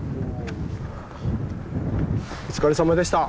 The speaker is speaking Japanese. お疲れさまでした！